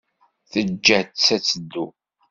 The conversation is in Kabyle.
Teǧǧa-tt ad teddu.